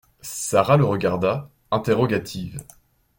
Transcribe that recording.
Sara le regarda, interrogative.